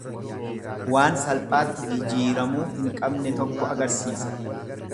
Waan salphaatti jijiiramuu hin qabne tokko agarsiisa.